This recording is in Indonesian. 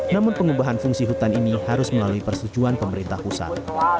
namun pengubahan fungsi hutan ini harus melalui persetujuan pemerintah pusat